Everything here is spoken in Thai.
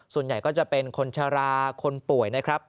ส่วนใหญ่ก็จะเป็นคนชะลาคนป่วยนะครับ